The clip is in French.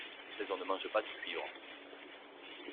Mais on ne mange pas du cuivre.